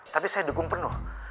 tapi saya dukung penuh